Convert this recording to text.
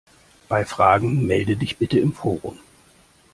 Bei Fragen melde dich bitte im Forum!